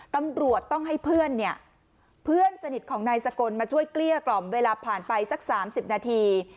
ตำรวจต้องให้เพื่อนเนี่ยเพื่อนสนิทของนายสกลมาช่วยเกลี้ยกล่อมเวลาผ่านไปสัก๓๐นาที